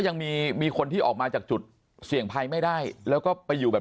ยังมีมีคนที่ออกมาจากจุดเสี่ยงภัยไม่ได้แล้วก็ไปอยู่แบบ